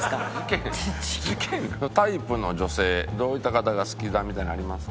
タイプの女性どういった方が好きだみたいなのありますか？